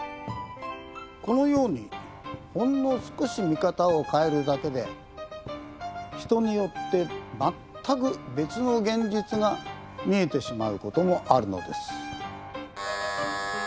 このようにほんの少し見方を変えるだけで人によってまったく別の現実が見えてしまうこともあるのです。